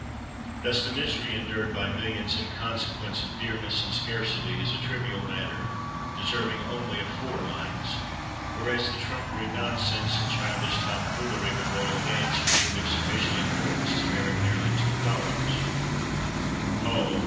Thus the misery endured by millions in consequence of dearness and scarcity, is a trivial matter deserving only of four lines; whereas the trumpery nonsense and childish tom foolery of a royal dance are deemed of sufficient importance to merit nearly two columns! Oh!